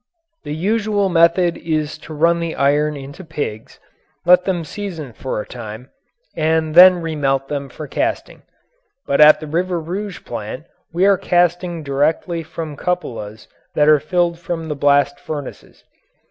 The usual method is to run the iron into pigs, let them season for a time, and then remelt them for casting. But at the River Rouge plant we are casting directly from cupolas that are filled from the blast furnaces.